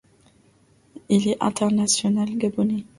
Il est international gabonais.